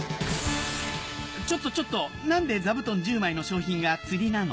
ちょっとちょっと何で座布団１０枚の賞品が釣りなの？